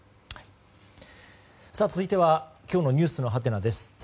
続いては今日のｎｅｗｓのハテナです。